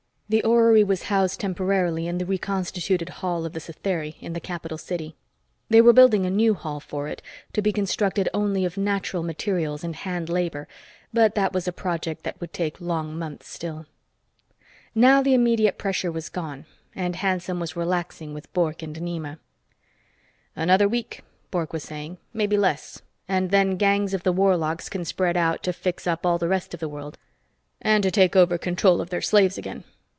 The orrery was housed temporarily in the reconstituted hall of the Satheri in the capital city. They were building a new hall for it, to be constructed only of natural materials and hand labor, but that was a project that would take long months still. Now the immediate pressure was gone, and Hanson was relaxing with Bork and Nema. "Another week," Bork was saying. "Maybe less. And then gangs of the warlocks can spread out to fix up all the rest of the world and to take over control of their slaves again.